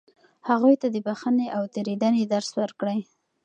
هغوی ته د بښنې او تېرېدنې درس ورکړئ.